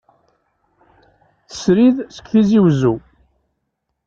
Srid seg Tizi uzzu.